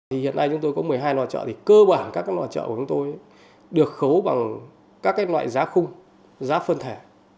hiện nay chúng tôi có một mươi hai nòa chợ thì cơ bản các nòa chợ của chúng tôi được khấu bằng các cái loại giá khung giá phân thể